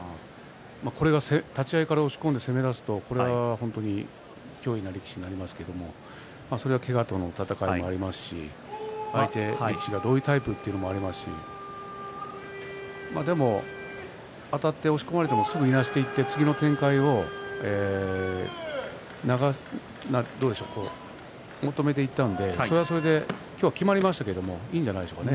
これが立ち合いから押し込んだ攻めだと本当に脅威な力士になってきますけどそれはけがとの闘いもありますしどういうタイプかということもありますしあたって押し込まれてもすぐにいなしていて次の展開を求めていったのでそれはそれできまりましたのでいいんじゃないでしょうか。